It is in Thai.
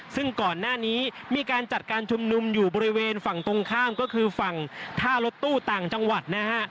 ซึ่งก่อนหน้านี้มีการจัดการชุมนุมอยู่บริเวณฝั่งตรงข้ามก็คือฝั่งท่ารถตู้ต่างจังหวัดนะฮะ